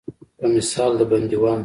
په مثال د بندیوان.